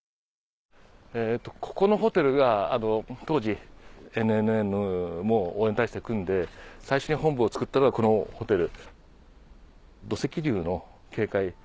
ここのホテルが当時ＮＮＮも応援体制を組んで最初に本部を作ったのがこのホテル。